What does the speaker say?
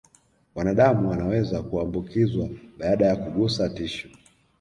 Wanadamu wanaweza kuambukizwa baada ya kugusa tishu